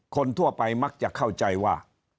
คนทั่วไปมักจะเข้าใจว่า